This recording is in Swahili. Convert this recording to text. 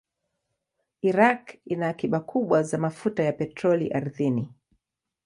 Iraq ina akiba kubwa za mafuta ya petroli ardhini.